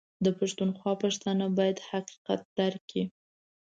ده پښتونخوا پښتانه بايد حقيقت درک کړي